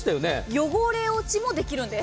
汚れ落ちもできるんです。